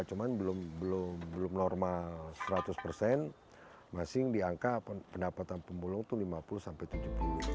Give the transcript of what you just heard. cuman belum normal seratus persen masing diangka pendapatan pembulung itu lima puluh sampai tujuh puluh ribu